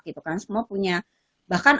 gitu kan semua punya bahkan